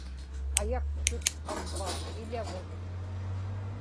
ayaktut avva iḷavut